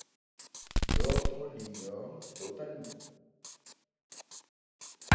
D’autres l’ignorent totalement.